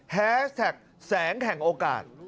แฮสแท็กแสงแห่งโอกาส